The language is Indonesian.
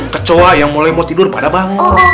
kecoa yang mulai mau tidur pada bangun